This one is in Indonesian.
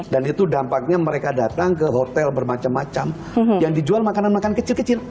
dan itu dampaknya mereka datang ke hotel bermacam macam yang dijual makanan makanan kecil kecil